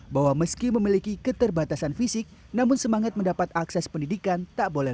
bahwa meski memiliki keterbatasan fisik namun semangat mendapat akses pendidikan tak boleh